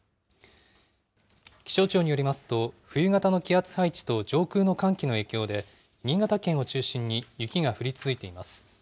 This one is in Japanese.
気象庁によりますと、冬型の気圧配置と上空の寒気の影響で、新潟県を中心に雪が降り続いています。